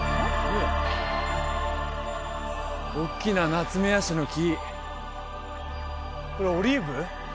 おっきなナツメヤシの木これオリーブ？